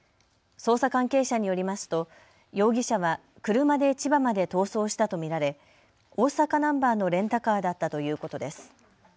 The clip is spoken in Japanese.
捜査関係者によりますと容疑者は車で千葉まで逃走したと見られ大阪ナンバーのレンタカーだったということです。